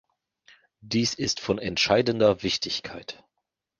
Dies ist von entscheidender Wichtigkeit.